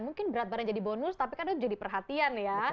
mungkin berat badan jadi bonus tapi kan itu jadi perhatian ya